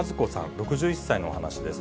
６１歳の話です。